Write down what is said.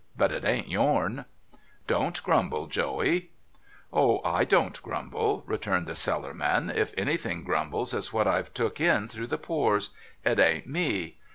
But it ain't yourn.' ' Don't grumble, Joey.' ' O !/ don't grumble,' returned the Cellarman. ' If anything grumbles, it's what I've took in through the pores; it ain't me.